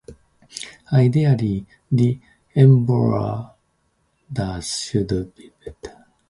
Ideally, the embroiderers should be pregnant.